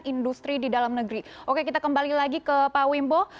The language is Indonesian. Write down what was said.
industri di dalam negeri oke kita kembali lagi ke pak wimbo